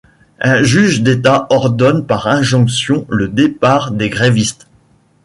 Un juge d'état ordonne par injonction le départ des grévistes.